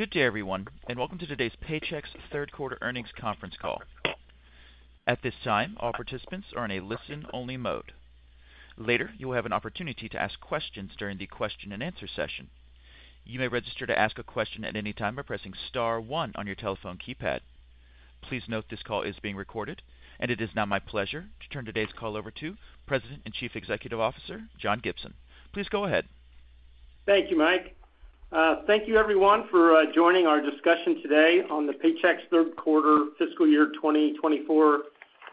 Good day everyone, and welcome to today's Paychex third quarter earnings conference call. At this time, all participants are in a listen-only mode. Later, you will have an opportunity to ask questions during the question and answer session. You may register to ask a question at any time by pressing Star one on your telephone keypad. Please note this call is being recorded, and it is now my pleasure to turn today's call over to President and Chief Executive Officer John Gibson. Please go ahead. Thank you, Mike. Thank you everyone for joining our discussion today on the Paychex third quarter fiscal year 2024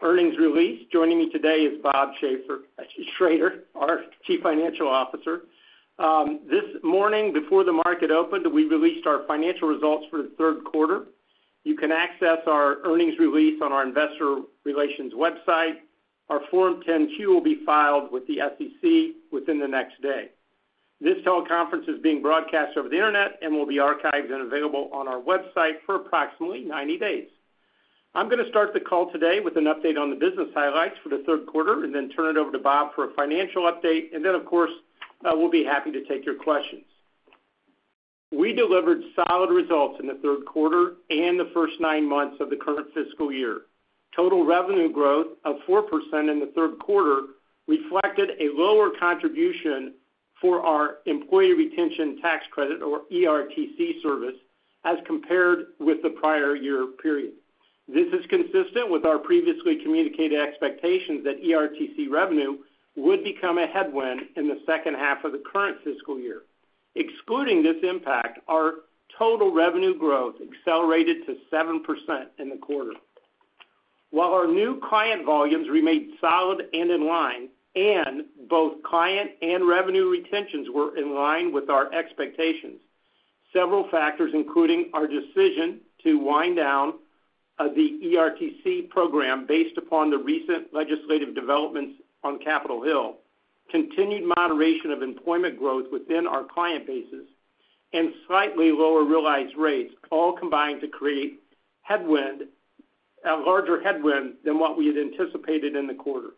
earnings release. Joining me today is Bob Schrader, our Chief Financial Officer. This morning, before the market opened, we released our financial results for the third quarter. You can access our earnings release on our investor relations website. Our Form 10-Q will be filed with the SEC within the next day. This teleconference is being broadcast over the internet and will be archived and available on our website for approximately 90 days. I'm going to start the call today with an update on the business highlights for the third quarter and then turn it over to Bob for a financial update, and then, of course, we'll be happy to take your questions. We delivered solid results in the third quarter and the first nine months of the current fiscal year. Total revenue growth of 4% in the third quarter reflected a lower contribution for our Employee Retention Tax Credit, or ERTC, service as compared with the prior year period. This is consistent with our previously communicated expectations that ERTC revenue would become a headwind in the second half of the current fiscal year. Excluding this impact, our total revenue growth accelerated to 7% in the quarter. While our new client volumes remained solid and in line, and both client and revenue retentions were in line with our expectations, several factors, including our decision to wind down the ERTC program based upon the recent legislative developments on Capitol Hill, continued moderation of employment growth within our client bases, and slightly lower realized rates, all combined to create a larger headwind than what we had anticipated in the quarter.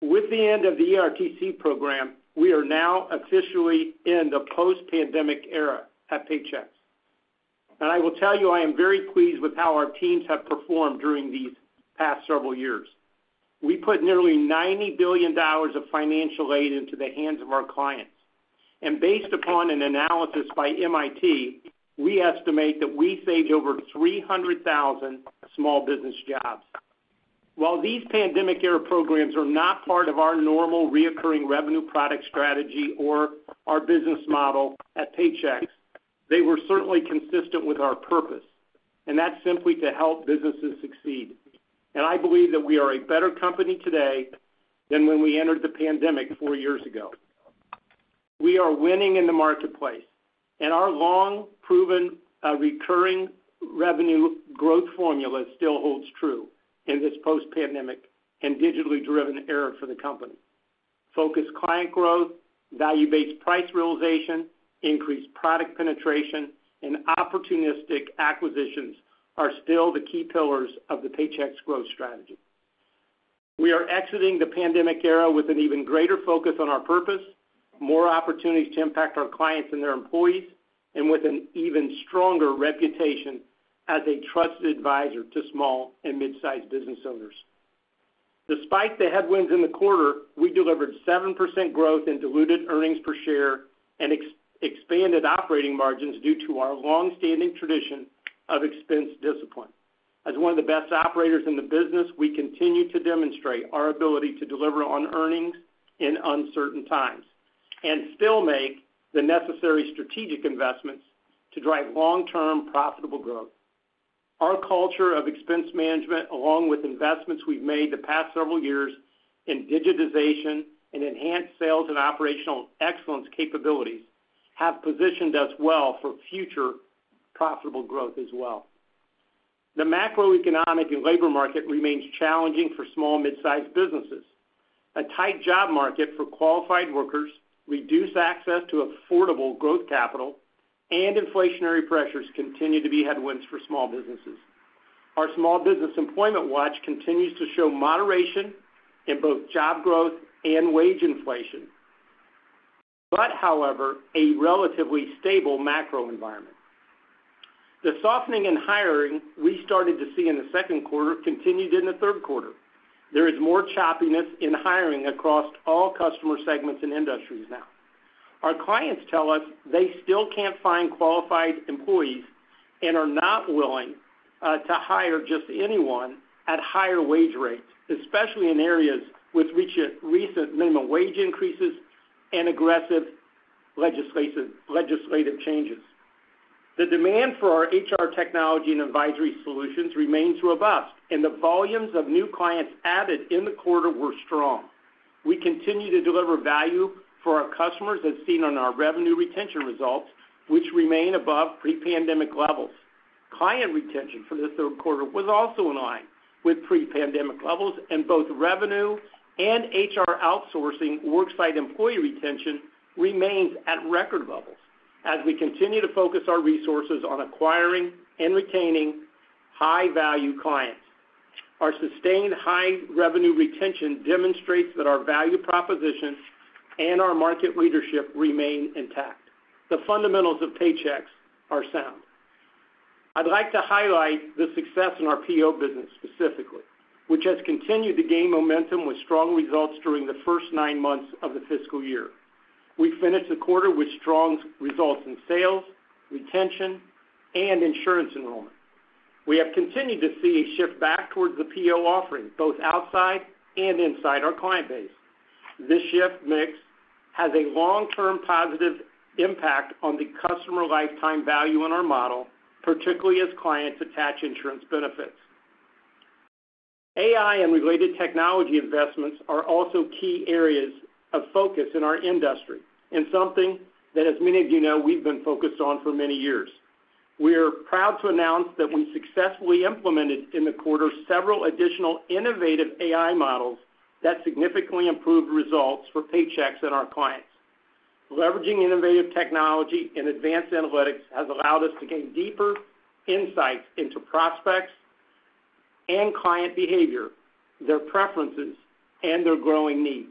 With the end of the ERTC program, we are now officially in the post-pandemic era at Paychex. I will tell you, I am very pleased with how our teams have performed during these past several years. We put nearly $90 billion of financial aid into the hands of our clients. Based upon an analysis by MIT, we estimate that we saved over 300,000 small business jobs. While these pandemic-era programs are not part of our normal recurring revenue product strategy or our business model at Paychex, they were certainly consistent with our purpose, and that's simply to help businesses succeed. I believe that we are a better company today than when we entered the pandemic four years ago. We are winning in the marketplace, and our long-proven recurring revenue growth formula still holds true in this post-pandemic and digitally driven era for the company. Focused client growth, value-based price realization, increased product penetration, and opportunistic acquisitions are still the key pillars of the Paychex growth strategy. We are exiting the pandemic era with an even greater focus on our purpose, more opportunities to impact our clients and their employees, and with an even stronger reputation as a trusted advisor to small and midsize business owners. Despite the headwinds in the quarter, we delivered 7% growth in diluted earnings per share and expanded operating margins due to our longstanding tradition of expense discipline. As one of the best operators in the business, we continue to demonstrate our ability to deliver on earnings in uncertain times and still make the necessary strategic investments to drive long-term profitable growth. Our culture of expense management, along with investments we've made the past several years in digitization and enhanced sales and operational excellence capabilities, have positioned us well for future profitable growth as well. The macroeconomic and labor market remains challenging for small and midsize businesses. A tight job market for qualified workers, reduced access to affordable growth capital, and inflationary pressures continue to be headwinds for small businesses. Our Small Business Employment Watch continues to show moderation in both job growth and wage inflation, but, however, a relatively stable macro environment. The softening in hiring we started to see in the second quarter continued in the third quarter. There is more choppiness in hiring across all customer segments and industries now. Our clients tell us they still can't find qualified employees and are not willing to hire just anyone at higher wage rates, especially in areas with recent minimum wage increases and aggressive legislative changes. The demand for our HR technology and advisory solutions remains robust, and the volumes of new clients added in the quarter were strong. We continue to deliver value for our customers as seen on our revenue retention results, which remain above pre-pandemic levels. Client retention for this third quarter was also in line with pre-pandemic levels, and both revenue and HR outsourcing worksite employee retention remains at record levels as we continue to focus our resources on acquiring and retaining high-value clients. Our sustained high revenue retention demonstrates that our value proposition and our market leadership remain intact. The fundamentals of Paychex are sound. I'd like to highlight the success in our PEO business specifically, which has continued to gain momentum with strong results during the first nine months of the fiscal year. We finished the quarter with strong results in sales, retention, and insurance enrollment. We have continued to see a shift back towards the PEO offering, both outside and inside our client base. This shift mix has a long-term positive impact on the customer lifetime value in our model, particularly as clients attach insurance benefits. AI and related technology investments are also key areas of focus in our industry and something that, as many of you know, we've been focused on for many years. We are proud to announce that we successfully implemented in the quarter several additional innovative AI models that significantly improved results for Paychex and our clients. Leveraging innovative technology and advanced analytics has allowed us to gain deeper insights into prospects and client behavior, their preferences, and their growing needs.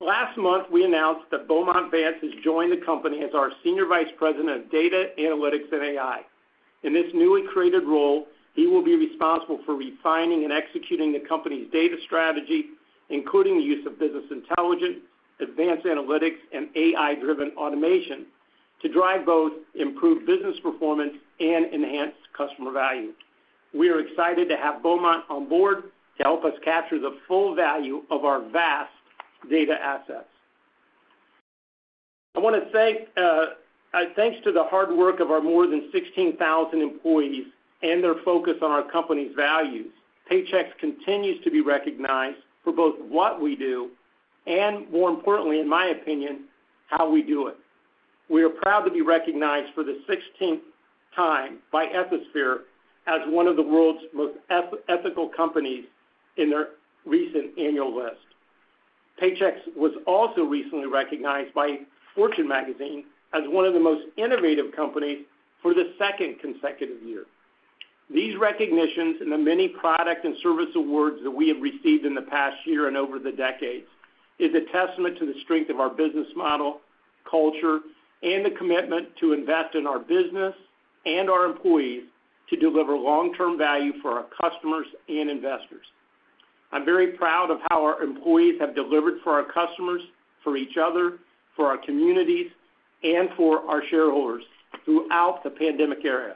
Last month, we announced that Beaumont Vance has joined the company as our Senior Vice President of Data, Analytics, and AI. In this newly created role, he will be responsible for refining and executing the company's data strategy, including the use of business intelligence, advanced analytics, and AI-driven automation to drive both improved business performance and enhanced customer value. We are excited to have Beaumont on board to help us capture the full value of our vast data assets. I want to give thanks to the hard work of our more than 16,000 employees and their focus on our company's values. Paychex continues to be recognized for both what we do and, more importantly, in my opinion, how we do it. We are proud to be recognized for the 16th time by Ethisphere as one of the world's most ethical companies in their recent annual list. Paychex was also recently recognized by Fortune magazine as one of the most innovative companies for the second consecutive year. These recognitions and the many product and service awards that we have received in the past year and over the decades is a testament to the strength of our business model, culture, and the commitment to invest in our business and our employees to deliver long-term value for our customers and investors. I'm very proud of how our employees have delivered for our customers, for each other, for our communities, and for our shareholders throughout the pandemic era.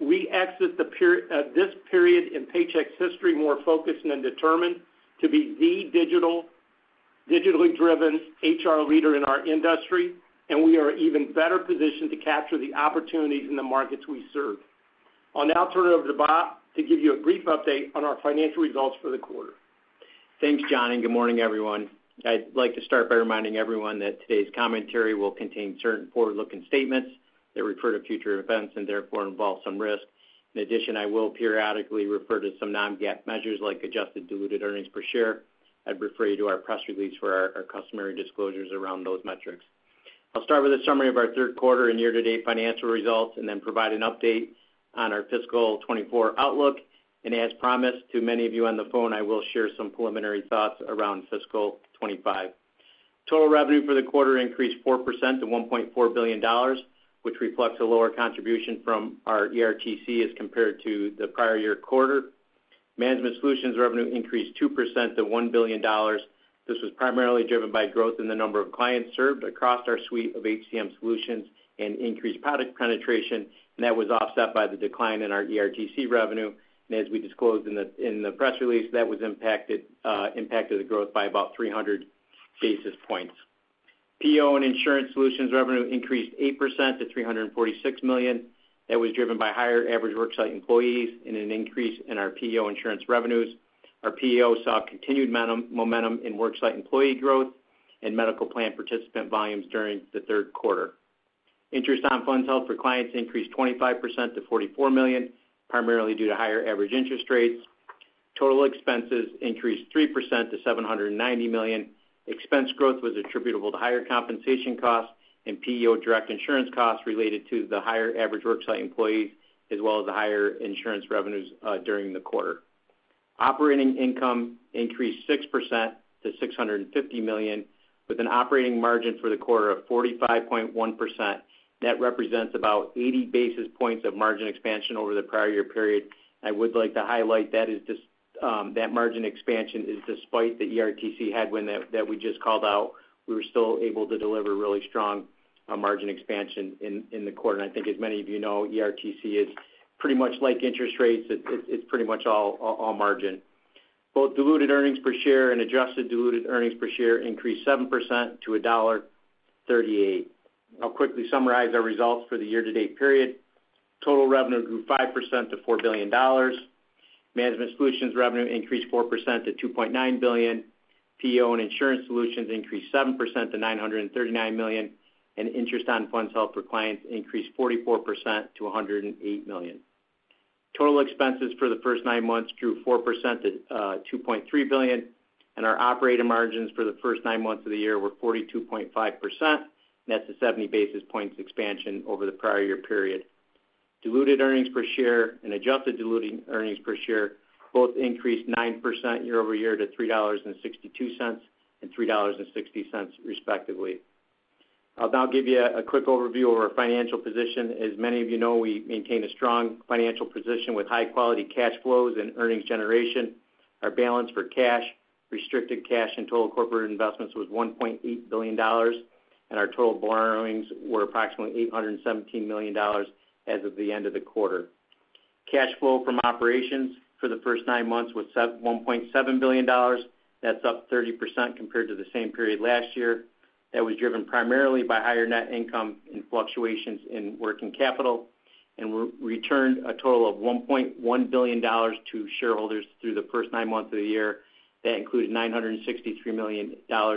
We exit this period in Paychex history more focused and determined to be the digitally driven HR leader in our industry, and we are even better positioned to capture the opportunities in the markets we serve. I'll now turn it over to Bob to give you a brief update on our financial results for the quarter. Thanks, John, and good morning, everyone. I'd like to start by reminding everyone that today's commentary will contain certain forward-looking statements that refer to future events and therefore involve some risk. In addition, I will periodically refer to some non-GAAP measures like adjusted diluted earnings per share and refer you to our press release for our customary disclosures around those metrics. I'll start with a summary of our third quarter and year-to-date financial results and then provide an update on our fiscal 2024 outlook. As promised, to many of you on the phone, I will share some preliminary thoughts around fiscal 2025. Total revenue for the quarter increased 4% to $1.4 billion, which reflects a lower contribution from our ERTC as compared to the prior year quarter. Management Solutions revenue increased 2% to $1 billion. This was primarily driven by growth in the number of clients served across our suite of HCM solutions and increased product penetration, and that was offset by the decline in our ERTC revenue. As we disclosed in the press release, that impacted the growth by about 300 basis points. PEO and Insurance Solutions revenue increased 8% to $346 million. That was driven by higher average worksite employees and an increase in our PEO insurance revenues. Our PEO saw continued momentum in worksite employee growth and medical plan participant volumes during the third quarter. Interest on funds held for clients increased 25% to $44 million, primarily due to higher average interest rates. Total expenses increased 3% to $790 million. Expense growth was attributable to higher compensation costs and PEO direct insurance costs related to the higher average worksite employees as well as the higher insurance revenues during the quarter. Operating income increased 6% to $650 million with an operating margin for the quarter of 45.1%. That represents about 80 basis points of margin expansion over the prior year period. I would like to highlight that margin expansion is despite the ERTC headwind that we just called out. We were still able to deliver really strong margin expansion in the quarter. And I think, as many of you know, ERTC is pretty much like interest rates. It's pretty much all margin. Both diluted earnings per share and adjusted diluted earnings per share increased 7% to $1.38. I'll quickly summarize our results for the year-to-date period. Total revenue grew 5% to $4 billion. Management Solutions revenue increased 4% to $2.9 billion. PEO and insurance solutions increased 7% to $939 million, and interest on funds held for clients increased 44% to $108 million. Total expenses for the first nine months grew 4% to $2.3 billion, and our operating margins for the first nine months of the year were 42.5%. That's a 70 basis points expansion over the prior year period. Diluted earnings per share and adjusted diluted earnings per share both increased 9% year-over-year to $3.62 and $3.60 respectively. I'll now give you a quick overview of our financial position. As many of you know, we maintain a strong financial position with high-quality cash flows and earnings generation. Our balance for cash, restricted cash, and total corporate investments was $1.8 billion, and our total borrowings were approximately $817 million as of the end of the quarter. Cash flow from operations for the first nine months was $1.7 billion. That's up 30% compared to the same period last year. That was driven primarily by higher net income and fluctuations in working capital and returned a total of $1.1 billion to shareholders through the first nine months of the year. That included $963 million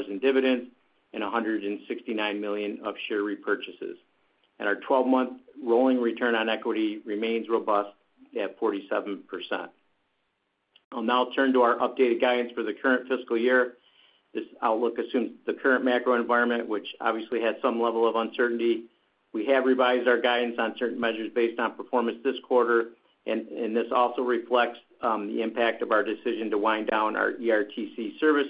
in dividends and $169 million of share repurchases. Our 12-month rolling return on equity remains robust at 47%. I'll now turn to our updated guidance for the current fiscal year. This outlook assumes the current macro environment, which obviously has some level of uncertainty. We have revised our guidance on certain measures based on performance this quarter, and this also reflects the impact of our decision to wind down our ERTC service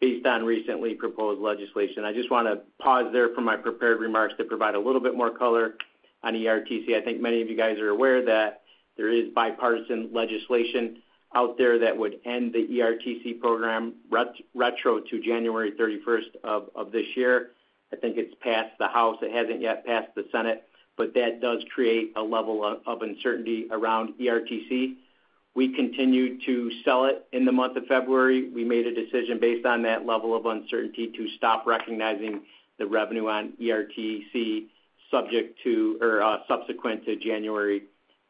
based on recently proposed legislation. I just want to pause there for my prepared remarks to provide a little bit more color on ERTC. I think many of you guys are aware that there is bipartisan legislation out there that would end the ERTC program retro to January 31st of this year. I think it's passed the House. It hasn't yet passed the Senate, but that does create a level of uncertainty around ERTC. We continued to sell it in the month of February. We made a decision based on that level of uncertainty to stop recognizing the revenue on ERTC subject to or subsequent to January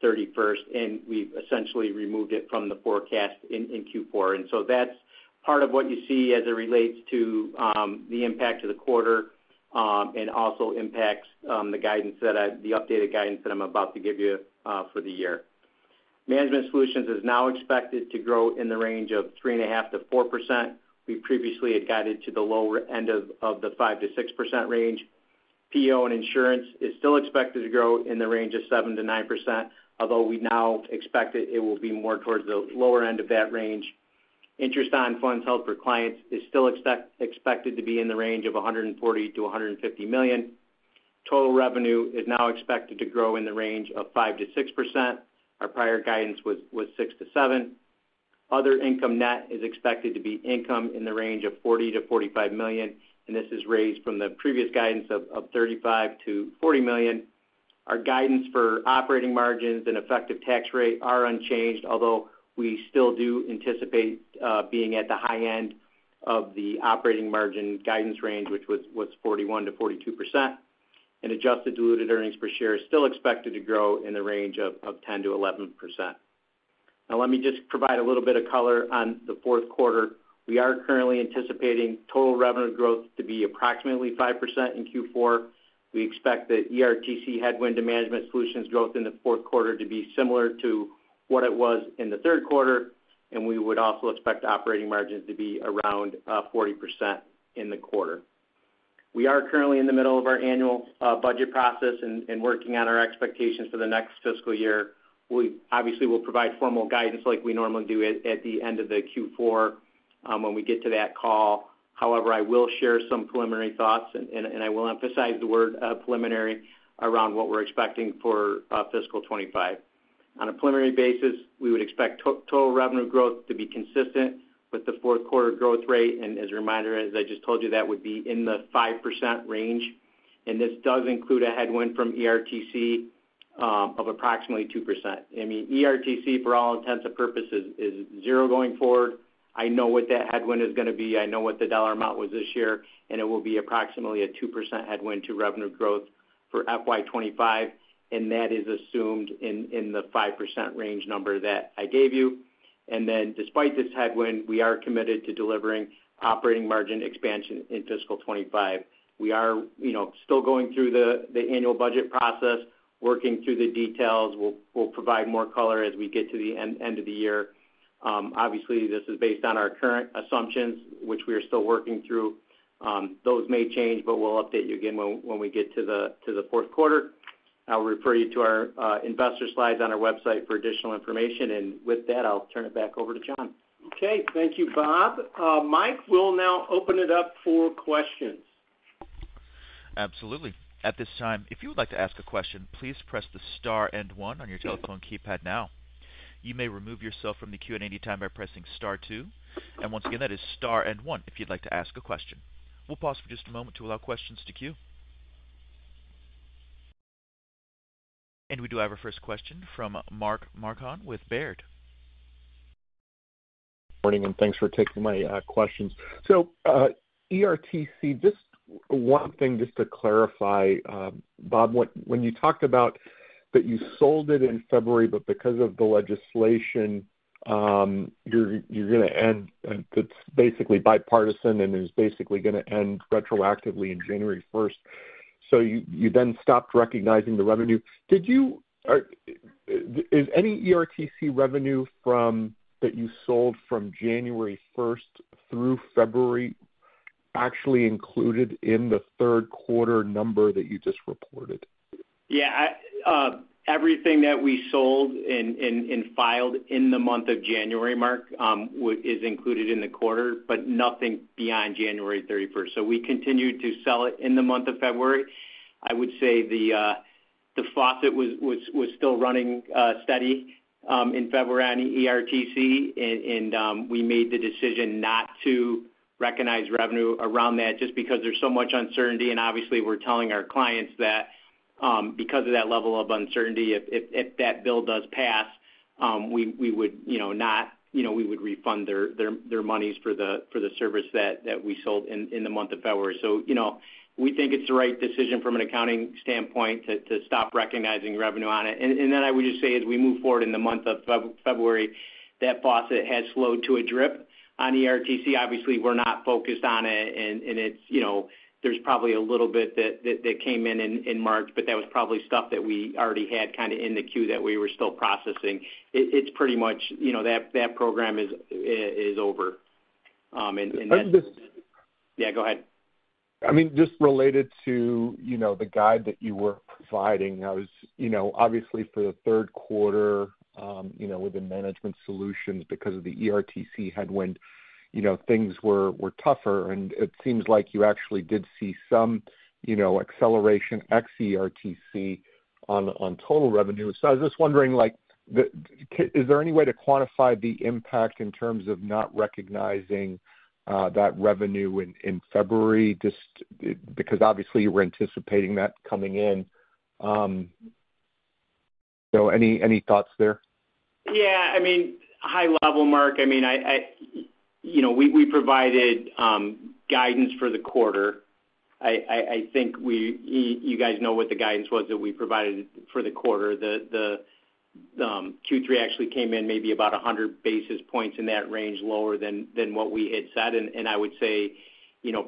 31st, and we've essentially removed it from the forecast in Q4. And so that's part of what you see as it relates to the impact of the quarter and also impacts the guidance, the updated guidance that I'm about to give you for the year. Management Solutions is now expected to grow in the range of 3.5%-4%. We previously had guided to the lower end of the 5%-6% range. PEO and Insurance is still expected to grow in the range of 7%-9%, although we now expect it will be more towards the lower end of that range. Interest on funds held for clients is still expected to be in the range of $140-$150 million. Total revenue is now expected to grow in the range of 5%-6%. Our prior guidance was 6%-7%. Other income net is expected to be income in the range of $40-$45 million, and this is raised from the previous guidance of $35-$40 million. Our guidance for operating margins and effective tax rate are unchanged, although we still do anticipate being at the high end of the operating margin guidance range, which was 41%-42%. Adjusted diluted earnings per share is still expected to grow in the range of 10%-11%. Now, let me just provide a little bit of color on the fourth quarter. We are currently anticipating total revenue growth to be approximately 5% in Q4. We expect the ERTC headwind to management solutions growth in the fourth quarter to be similar to what it was in the third quarter, and we would also expect operating margins to be around 40% in the quarter. We are currently in the middle of our annual budget process and working on our expectations for the next fiscal year. We obviously will provide formal guidance like we normally do at the end of the Q4 when we get to that call. However, I will share some preliminary thoughts, and I will emphasize the word preliminary around what we're expecting for fiscal 2025. On a preliminary basis, we would expect total revenue growth to be consistent with the fourth quarter growth rate. As a reminder, as I just told you, that would be in the 5% range. This does include a headwind from ERTC of approximately 2%. I mean, ERTC, for all intents and purposes, is zero going forward. I know what that headwind is going to be. I know what the dollar amount was this year, and it will be approximately a 2% headwind to revenue growth for FY 2025, and that is assumed in the 5% range number that I gave you. Then, despite this headwind, we are committed to delivering operating margin expansion in fiscal 2025. We are still going through the annual budget process, working through the details. We'll provide more color as we get to the end of the year. Obviously, this is based on our current assumptions, which we are still working through. Those may change, but we'll update you again when we get to the fourth quarter. I'll refer you to our investor slides on our website for additional information. With that, I'll turn it back over to John. Okay. Thank you, Bob. Mike, we'll now open it up for questions. Absolutely. At this time, if you would like to ask a question, please press the star and one on your telephone keypad now. You may remove yourself from the queue at any time by pressing star two. And once again, that is star and one if you'd like to ask a question. We'll pause for just a moment to allow questions to queue. We do have our first question from Mark Marcon with Baird. Morning, and thanks for taking my questions. So ERTC, just one thing just to clarify, Bob. When you talked about that you sold it in February, but because of the legislation, you're going to end. That's basically bipartisan and is basically going to end retroactively on January 1st. So you then stopped recognizing the revenue. Is any ERTC revenue that you sold from January 1st through February actually included in the third quarter number that you just reported? Yeah. Everything that we sold and filed in the month of January, Mark, is included in the quarter, but nothing beyond January 31st. So we continued to sell it in the month of February. I would say the faucet was still running steady in February on ERTC, and we made the decision not to recognize revenue around that just because there's so much uncertainty. And obviously, we're telling our clients that because of that level of uncertainty, if that bill does pass, we would not we would refund their monies for the service that we sold in the month of February. So we think it's the right decision from an accounting standpoint to stop recognizing revenue on it. And then I would just say, as we move forward in the month of February, that faucet has slowed to a drip on ERTC. Obviously, we're not focused on it, and there's probably a little bit that came in in March, but that was probably stuff that we already had kind of in the queue that we were still processing. It's pretty much that program is over. And that's. How does this? Yeah. Go ahead. I mean, just related to the guide that you were providing, obviously, for the third quarter within management solutions, because of the ERTC headwind, things were tougher. It seems like you actually did see some acceleration ex-ERTC on total revenue. I was just wondering, is there any way to quantify the impact in terms of not recognizing that revenue in February? Because obviously, you were anticipating that coming in. Any thoughts there? Yeah. I mean, high level, Mark. I mean, we provided guidance for the quarter. I think you guys know what the guidance was that we provided for the quarter. The Q3 actually came in maybe about 100 basis points in that range, lower than what we had set. And I would say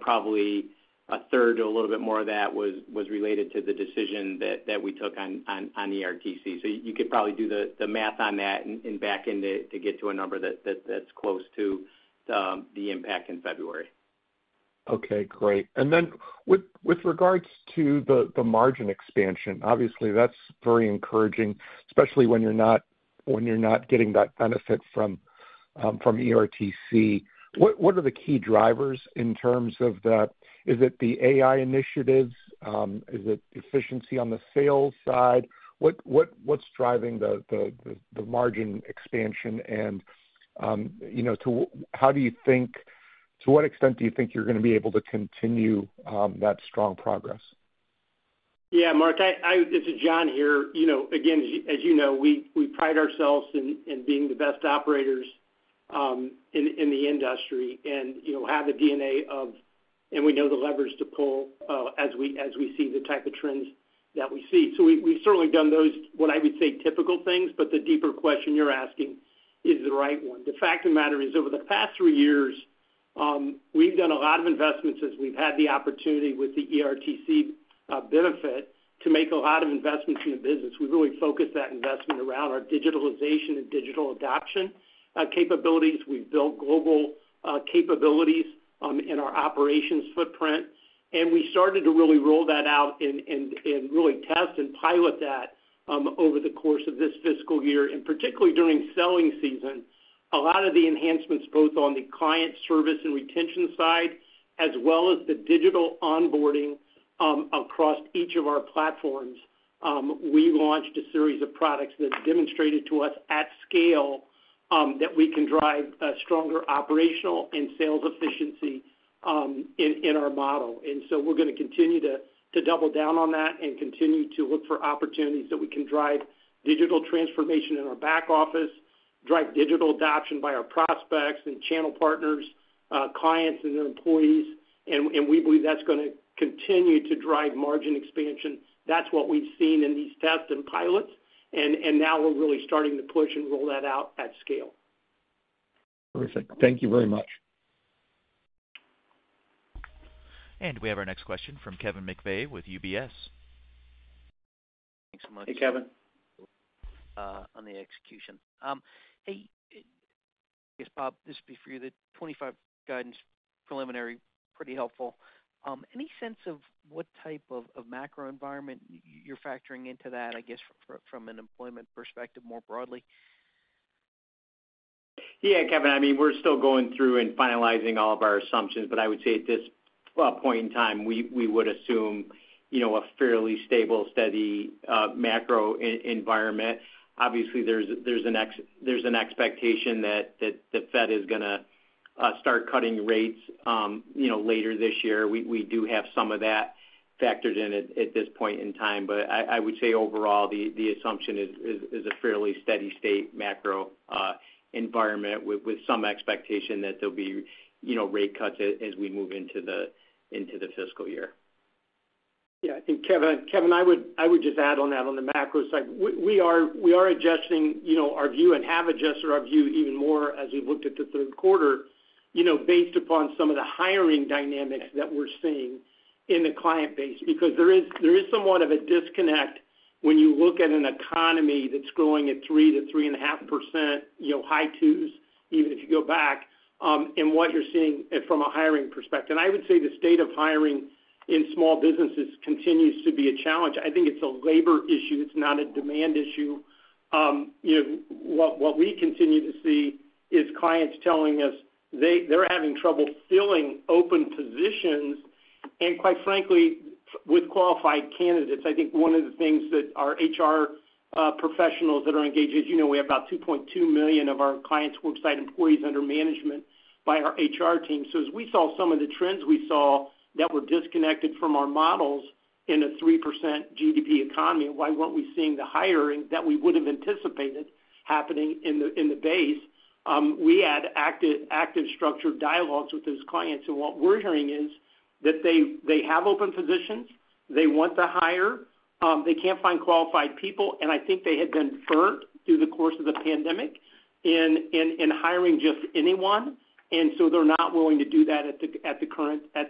probably a third or a little bit more of that was related to the decision that we took on ERTC. So you could probably do the math on that and back into to get to a number that's close to the impact in February. Okay. Great. And then with regards to the margin expansion, obviously, that's very encouraging, especially when you're not getting that benefit from ERTC. What are the key drivers in terms of that? Is it the AI initiatives? Is it efficiency on the sales side? What's driving the margin expansion? And how do you think to what extent do you think you're going to be able to continue that strong progress? Yeah, Mark. This is John here. Again, as you know, we pride ourselves in being the best operators in the industry and have the DNA of and we know the levers to pull as we see the type of trends that we see. So we've certainly done those, what I would say, typical things, but the deeper question you're asking is the right one. The fact of the matter is, over the past three years, we've done a lot of investments as we've had the opportunity with the ERTC benefit to make a lot of investments in the business. We've really focused that investment around our digitalization and digital adoption capabilities. We've built global capabilities in our operations footprint, and we started to really roll that out and really test and pilot that over the course of this fiscal year. And particularly during selling season, a lot of the enhancements, both on the client service and retention side, as well as the digital onboarding across each of our platforms, we launched a series of products that demonstrated to us at scale that we can drive stronger operational and sales efficiency in our model. And so we're going to continue to double down on that and continue to look for opportunities that we can drive digital transformation in our back office, drive digital adoption by our prospects and channel partners, clients, and their employees. And we believe that's going to continue to drive margin expansion. That's what we've seen in these tests and pilots. And now we're really starting to push and roll that out at scale. Perfect. Thank you very much. We have our next question from Kevin McVeigh with UBS. Thanks so much. Hey, Kevin. On the execution. Hey, I guess, Bob, this would be for you. The 2025 guidance preliminary, pretty helpful. Any sense of what type of macro environment you're factoring into that, I guess, from an employment perspective more broadly? Yeah, Kevin. I mean, we're still going through and finalizing all of our assumptions, but I would say at this point in time, we would assume a fairly stable, steady macro environment. Obviously, there's an expectation that the Fed is going to start cutting rates later this year. We do have some of that factored in at this point in time, but I would say overall, the assumption is a fairly steady-state macro environment with some expectation that there'll be rate cuts as we move into the fiscal year. Yeah. And Kevin, I would just add on that on the macro side. We are adjusting our view and have adjusted our view even more as we've looked at the third quarter based upon some of the hiring dynamics that we're seeing in the client base because there is somewhat of a disconnect when you look at an economy that's growing at 3%-3.5%, high 2s, even if you go back, in what you're seeing from a hiring perspective. And I would say the state of hiring in small businesses continues to be a challenge. I think it's a labor issue. It's not a demand issue. What we continue to see is clients telling us they're having trouble filling open positions. And quite frankly, with qualified candidates, I think one of the things that our HR professionals that are engaged as you know, we have about 2.2 million of our clients' worksite employees under management by our HR team. So as we saw some of the trends we saw that were disconnected from our models in a 3% GDP economy, why weren't we seeing the hiring that we would have anticipated happening in the base? We had active structured dialogues with those clients. And what we're hearing is that they have open positions. They want to hire. They can't find qualified people. And I think they had been burnt through the course of the pandemic in hiring just anyone. And so they're not willing to do that at the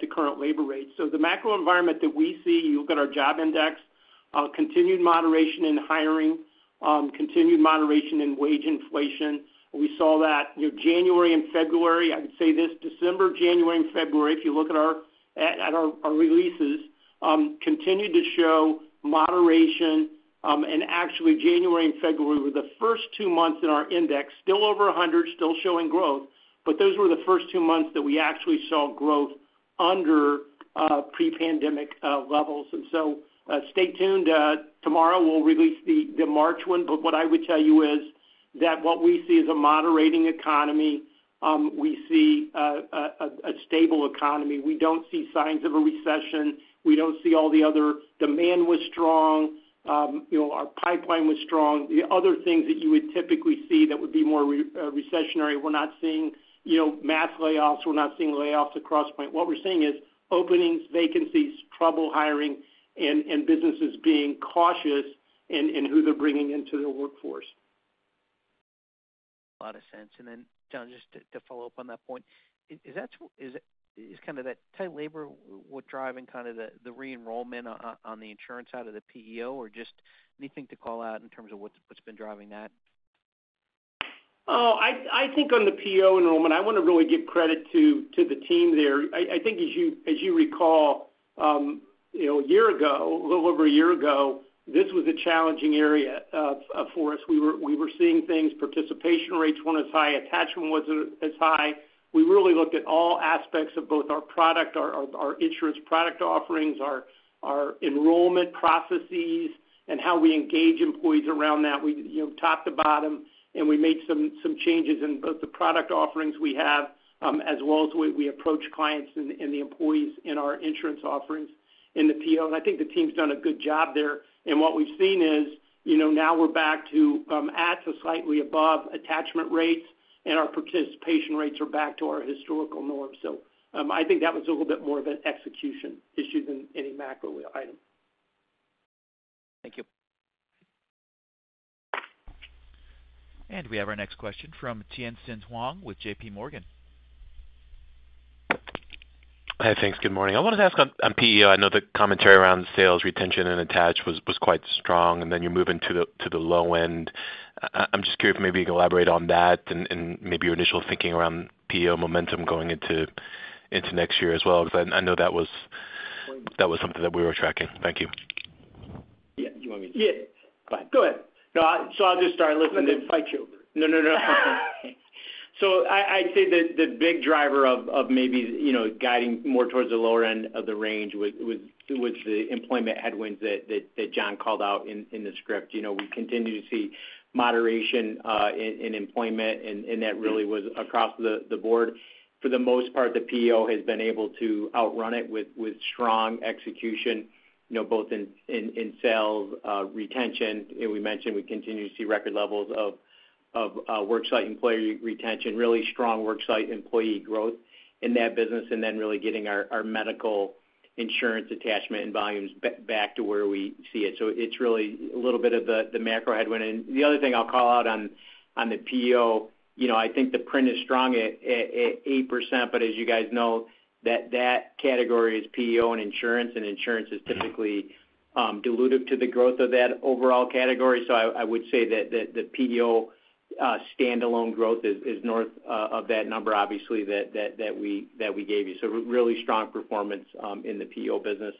current labor rate. So the macro environment that we see, you look at our job index, continued moderation in hiring, continued moderation in wage inflation. We saw that January and February, I would say this, December, January, and February, if you look at our releases, continued to show moderation. Actually, January and February were the first two months in our index, still over 100, still showing growth. But those were the first two months that we actually saw growth under pre-pandemic levels. So stay tuned. Tomorrow, we'll release the March one. But what I would tell you is that what we see is a moderating economy. We see a stable economy. We don't see signs of a recession. We don't see all the other demand was strong. Our pipeline was strong. The other things that you would typically see that would be more recessionary, we're not seeing mass layoffs. We're not seeing layoffs across point. What we're seeing is openings, vacancies, trouble hiring, and businesses being cautious in who they're bringing into their workforce. A lot of sense. Then, John, just to follow up on that point, is kind of that tight labor what's driving kind of the re-enrollment on the insurance side of the PEO, or just anything to call out in terms of what's been driving that? Oh, I think on the PEO enrollment, I want to really give credit to the team there. I think, as you recall, a year ago, a little over a year ago, this was a challenging area for us. We were seeing things. Participation rates weren't as high. Attachment wasn't as high. We really looked at all aspects of both our product, our insurance product offerings, our enrollment processes, and how we engage employees around that, top to bottom. We made some changes in both the product offerings we have as well as the way we approach clients and the employees in our insurance offerings in the PEO. I think the team's done a good job there. What we've seen is now we're back to at the slightly above attachment rates, and our participation rates are back to our historical norms. I think that was a little bit more of an execution issue than any macro item. Thank you. We have our next question from Tien-Tsin Huang with J.P. Morgan. Hi. Thanks. Good morning. I wanted to ask on PEO. I know the commentary around sales, retention, and attach was quite strong, and then you're moving to the low end. I'm just curious if maybe you can elaborate on that and maybe your initial thinking around PEO momentum going into next year as well because I know that was something that we were tracking. Thank you. Yeah. You want me to? Yeah. Go ahead. No. So I'll just start listening. And then fight you over it. No, no, no. So I'd say the big driver of maybe guiding more towards the lower end of the range was the employment headwinds that John called out in the script. We continue to see moderation in employment, and that really was across the board. For the most part, the PEO has been able to outrun it with strong execution both in sales, retention. And we mentioned we continue to see record levels of worksite employee retention, really strong worksite employee growth in that business, and then really getting our medical insurance attachment and volumes back to where we see it. So it's really a little bit of the macro headwind. The other thing I'll call out on the PEO, I think the print is strong at 8%, but as you guys know, that category is PEO and insurance, and insurance is typically dilutive to the growth of that overall category. So I would say that the PEO standalone growth is north of that number, obviously, that we gave you. So really strong performance in the PEO business.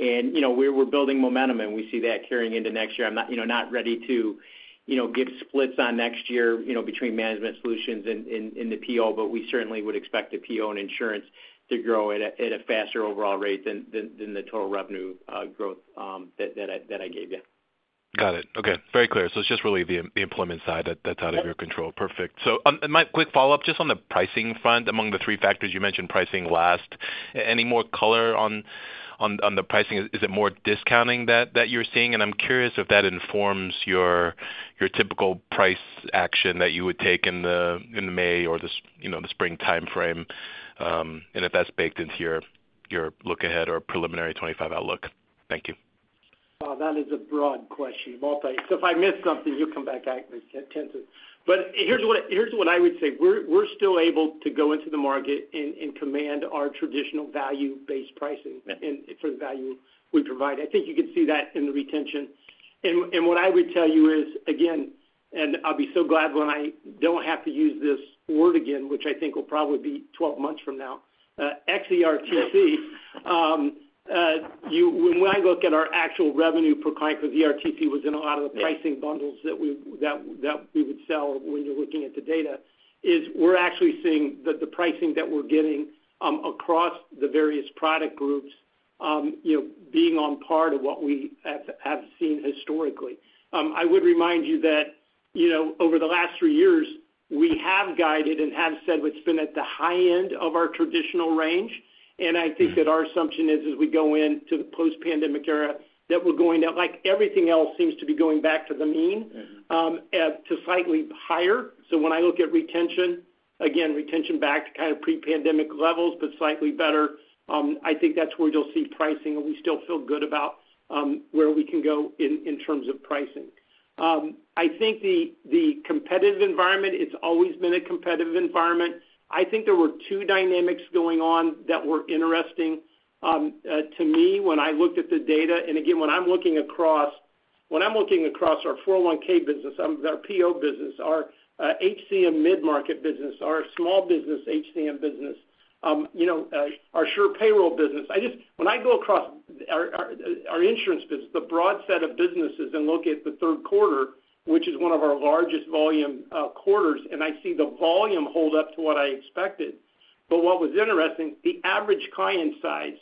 And we're building momentum, and we see that carrying into next year. I'm not ready to give splits on next year between management solutions in the PEO, but we certainly would expect the PEO and insurance to grow at a faster overall rate than the total revenue growth that I gave you. Got it. Okay. Very clear. So it's just really the employment side that's out of your control. Perfect. So my quick follow-up, just on the pricing front, among the three factors, you mentioned pricing last. Any more color on the pricing? Is it more discounting that you're seeing? And I'm curious if that informs your typical price action that you would take in the May or the spring timeframe and if that's baked into your look ahead or preliminary 2025 outlook? Thank you. Well, that is a broad question, multi. So if I miss something, you come back at me, Tien-Tsin. But here's what I would say. We're still able to go into the market and command our traditional value-based pricing for the value we provide. I think you could see that in the retention. And what I would tell you is, again, and I'll be so glad when I don't have to use this word again, which I think will probably be 12 months from now, ERTC. When I look at our actual revenue per client, because ERTC was in a lot of the pricing bundles that we would sell when you're looking at the data, is we're actually seeing the pricing that we're getting across the various product groups being on par with what we have seen historically. I would remind you that over the last three years, we have guided and have said what's been at the high end of our traditional range. I think that our assumption is, as we go into the post-pandemic era, that we're going down like everything else seems to be going back to the mean, to slightly higher. When I look at retention, again, retention back to kind of pre-pandemic levels but slightly better, I think that's where you'll see pricing, and we still feel good about where we can go in terms of pricing. I think the competitive environment, it's always been a competitive environment. I think there were two dynamics going on that were interesting to me when I looked at the data. Again, when I'm looking across our 401(k) business, our PEO business, our HCM mid-market business, our small business HCM business, our SurePayroll business, when I go across our insurance business, the broad set of businesses and look at the third quarter, which is one of our largest volume quarters, and I see the volume hold up to what I expected. But what was interesting, the average client size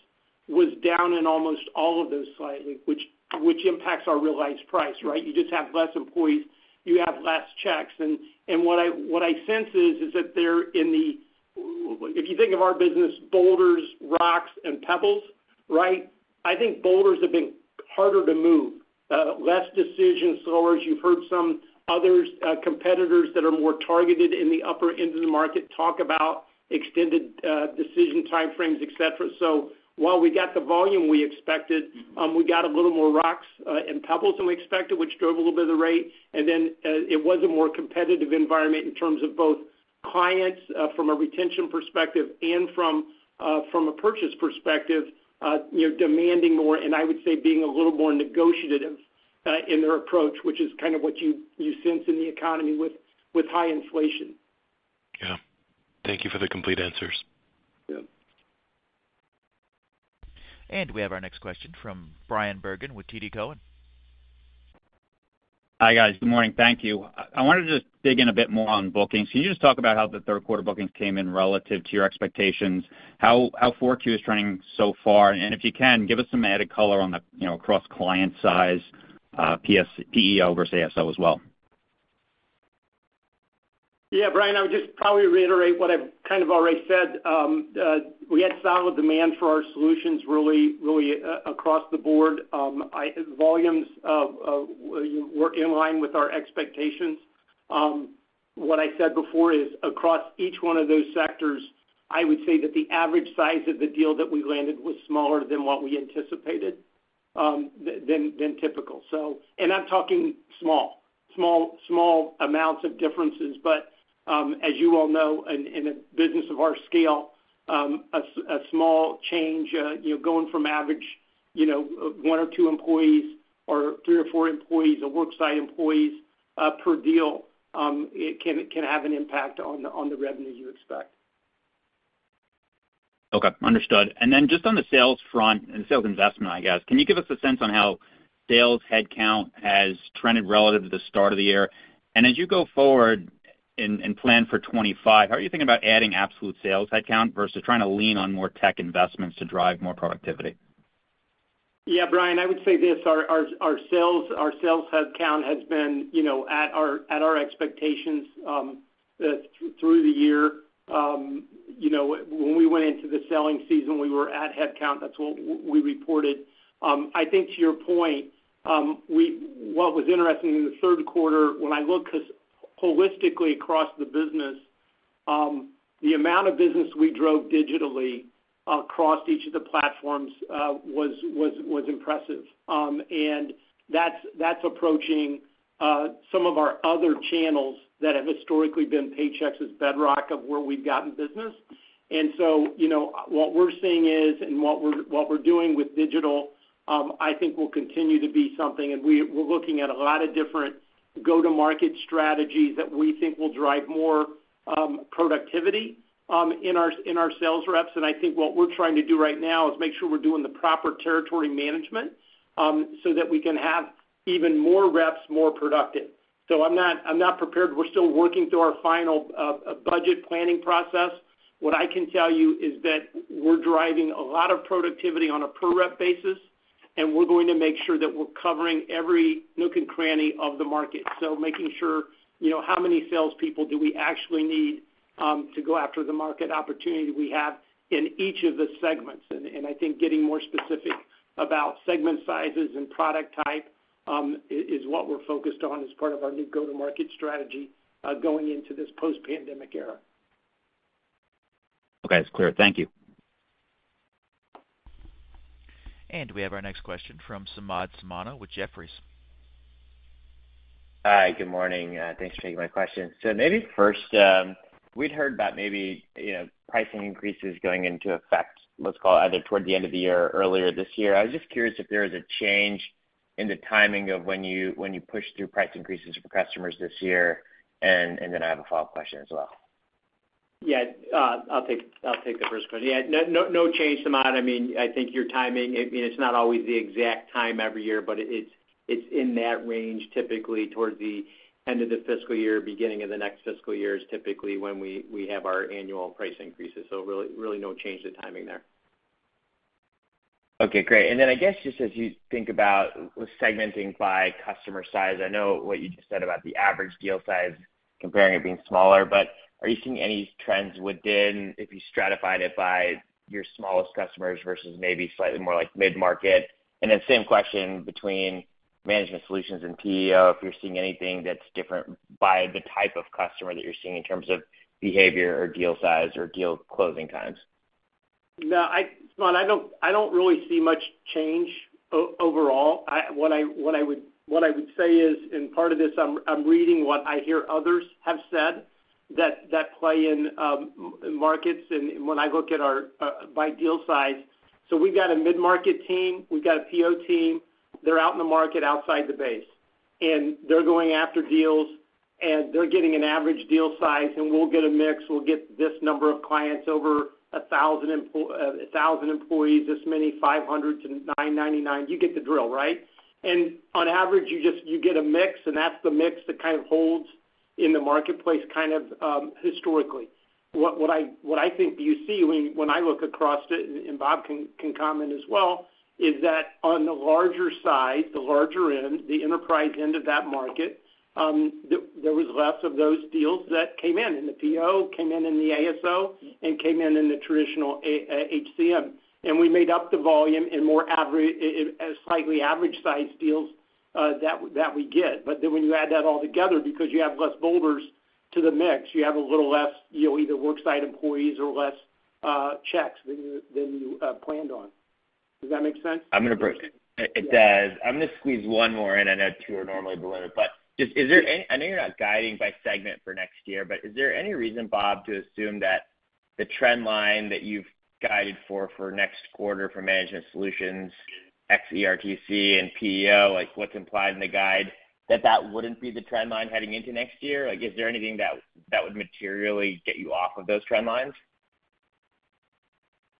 was down in almost all of those slightly, which impacts our realized price, right? You just have less employees. You have less checks. And what I sense is that they're in the, if you think of our business, boulders, rocks, and pebbles, right? I think boulders have been harder to move, less decisions, slower. You've heard some other competitors that are more targeted in the upper end of the market talk about extended decision timeframes, etc. So while we got the volume we expected, we got a little more rocks and pebbles than we expected, which drove a little bit of the rate. And then it was a more competitive environment in terms of both clients from a retention perspective and from a purchase perspective, demanding more, and I would say being a little more negotiating in their approach, which is kind of what you sense in the economy with high inflation. Yeah. Thank you for the complete answers. Yeah. We have our next question from Bryan Bergin with TD Cowen. Hi, guys. Good morning. Thank you. I wanted to just dig in a bit more on bookings. Can you just talk about how the third-quarter bookings came in relative to your expectations, how 4Q is trending so far? If you can, give us some added color across client size, PEO versus ASO as well. Yeah, Bryan, I would just probably reiterate what I've kind of already said. We had solid demand for our solutions really across the board. Volumes were in line with our expectations. What I said before is across each one of those sectors, I would say that the average size of the deal that we landed was smaller than what we anticipated than typical. And I'm talking small, small amounts of differences. But as you all know, in a business of our scale, a small change going from average 1 or 2 employees or 3 or 4 employees, a worksite employee per deal, it can have an impact on the revenue you expect. Okay. Understood. And then just on the sales front and sales investment, I guess, can you give us a sense on how sales headcount has trended relative to the start of the year? And as you go forward and plan for 2025, how are you thinking about adding absolute sales headcount versus trying to lean on more tech investments to drive more productivity? Yeah, Brian, I would say this. Our sales headcount has been at our expectations through the year. When we went into the selling season, we were at headcount. That's what we reported. I think to your point, what was interesting in the third quarter, when I look holistically across the business, the amount of business we drove digitally across each of the platforms was impressive. And that's approaching some of our other channels that have historically been Paychex as bedrock of where we've gotten business. And so what we're seeing is and what we're doing with digital, I think, will continue to be something. And we're looking at a lot of different go-to-market strategies that we think will drive more productivity in our sales reps. I think what we're trying to do right now is make sure we're doing the proper territory management so that we can have even more reps more productive. So I'm not prepared. We're still working through our final budget planning process. What I can tell you is that we're driving a lot of productivity on a per-rep basis, and we're going to make sure that we're covering every nook and cranny of the market, so making sure how many salespeople do we actually need to go after the market opportunity we have in each of the segments. And I think getting more specific about segment sizes and product type is what we're focused on as part of our new go-to-market strategy going into this post-pandemic era. Okay. That's clear. Thank you. We have our next question from Samad Samana with Jefferies. Hi. Good morning. Thanks for taking my question. So maybe first, we'd heard about maybe pricing increases going into effect, let's call it, either toward the end of the year or earlier this year. I was just curious if there is a change in the timing of when you push through price increases for customers this year. And then I have a follow-up question as well. Yeah. I'll take the first question. Yeah. No change, Samad. I mean, I think your timing I mean, it's not always the exact time every year, but it's in that range typically towards the end of the fiscal year. Beginning of the next fiscal year is typically when we have our annual price increases. So really no change to timing there. Okay. Great. Then I guess just as you think about segmenting by customer size, I know what you just said about the average deal size, comparing it being smaller, but are you seeing any trends within if you stratified it by your smallest customers versus maybe slightly more mid-market? Then same question between management solutions and PEO, if you're seeing anything that's different by the type of customer that you're seeing in terms of behavior or deal size or deal closing times? No. Samad, I don't really see much change overall. What I would say is, and part of this, I'm reading what I hear others have said that play in markets. And when I look at our by deal size so we've got a mid-market team. We've got a PEO team. They're out in the market outside the base, and they're going after deals, and they're getting an average deal size. And we'll get a mix. We'll get this number of clients over 1,000 employees, this many, 500-999. You get the drill, right? And on average, you get a mix, and that's the mix that kind of holds in the marketplace kind of historically. What I think you see when I look across it, and Bob can comment as well, is that on the larger side, the larger end, the enterprise end of that market, there was less of those deals that came in. And the PEO came in in the ASO and came in in the traditional HCM. And we made up the volume in more slightly average-sized deals that we get. But then when you add that all together, because you have less boulders to the mix, you have a little less either worksite employees or less checks than you planned on. Does that make sense? I'm going to briefly. It does. I'm going to squeeze one more in. I know two are normally delivered. But just is there any—I know you're not guiding by segment for next year, but is there any reason, Bob, to assume that the trend line that you've guided for next quarter for management solutions, ERTC and PEO, what's implied in the guide, that that wouldn't be the trend line heading into next year? Is there anything that would materially get you off of those trend lines?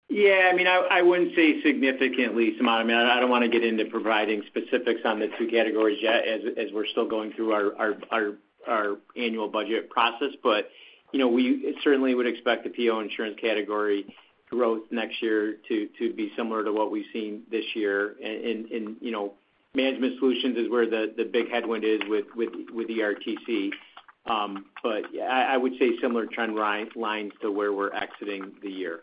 Yeah. I mean, I wouldn't say significantly, Samad. I mean, I don't want to get into providing specifics on the two categories yet as we're still going through our annual budget process. But we certainly would expect the PEO insurance category growth next year to be similar to what we've seen this year. Management Solutions is where the big headwind is with ERTC. I would say similar trend lines to where we're exiting the year.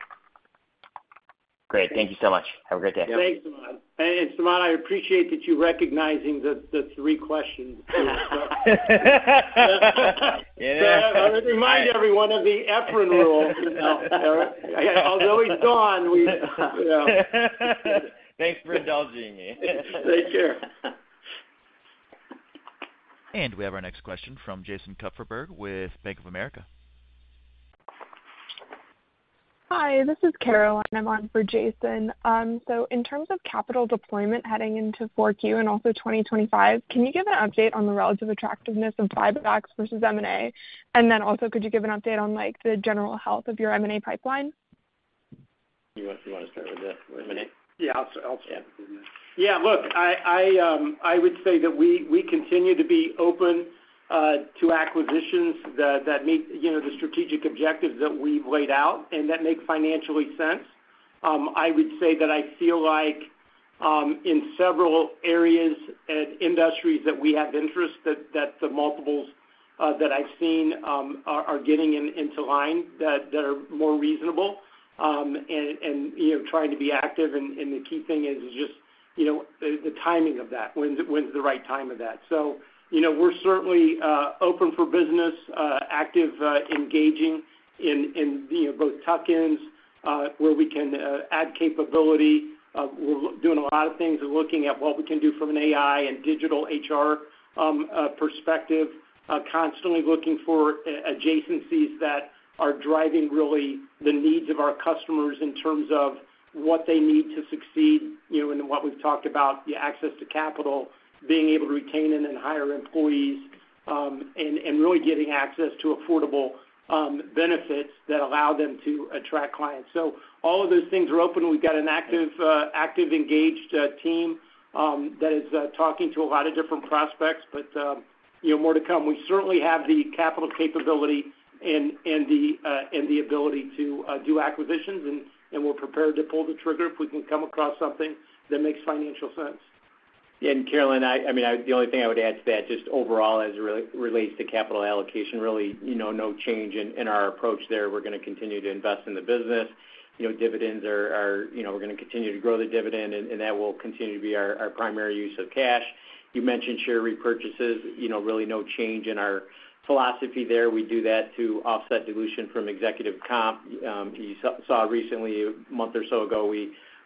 Great. Thank you so much. Have a great day. Thanks, Samad. And Samad, I appreciate that you're recognizing the three questions. So I'm going to remind everyone of the Efrain rule. Although he's gone, we've. Thanks for indulging me. Take care. We have our next question from Jason Kupferberg with Bank of America. Hi. This is Caroline. I'm on for Jason. In terms of capital deployment heading into 4Q and also 2025, can you give an update on the relative attractiveness of buybacks versus M&A? And then also, could you give an update on the general health of your M&A pipeline? You want to start with the M&A? Yeah. I'll start with the M&A. Yeah. Look, I would say that we continue to be open to acquisitions that meet the strategic objectives that we've laid out and that make financial sense. I would say that I feel like in several areas and industries that we have interest, that the multiples that I've seen are getting into line that are more reasonable and trying to be active. And the key thing is just the timing of that. When's the right time of that? So we're certainly open for business, active, engaging in both tuck-ins where we can add capability. We're doing a lot of things and looking at what we can do from an AI and digital HR perspective, constantly looking for adjacencies that are driving really the needs of our customers in terms of what they need to succeed in what we've talked about, the access to capital, being able to retain and then hire employees, and really getting access to affordable benefits that allow them to attract clients. So all of those things are open. We've got an active, engaged team that is talking to a lot of different prospects, but more to come. We certainly have the capital capability and the ability to do acquisitions, and we're prepared to pull the trigger if we can come across something that makes financial sense. And Caroline, I mean, the only thing I would add to that just overall as it relates to capital allocation, really no change in our approach there. We're going to continue to invest in the business. Dividends, we're going to continue to grow the dividend, and that will continue to be our primary use of cash. You mentioned share repurchases. Really no change in our philosophy there. We do that to offset dilution from executive comp. You saw recently, a month or so ago,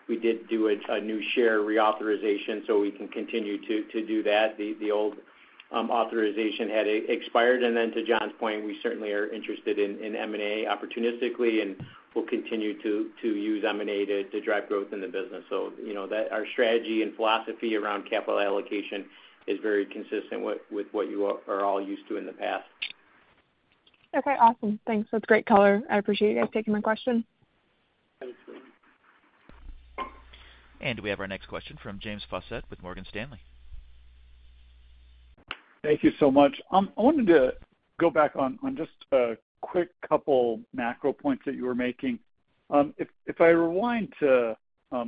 we did do a new share reauthorization, so we can continue to do that. The old authorization had expired. And then to John's point, we certainly are interested in M&A opportunistically, and we'll continue to use M&A to drive growth in the business. So our strategy and philosophy around capital allocation is very consistent with what you are all used to in the past. Okay. Awesome. Thanks. That's great color. I appreciate you guys taking my question. We have our next question from James Faucette with Morgan Stanley. Thank you so much. I wanted to go back on just a quick couple of macro points that you were making. If I rewind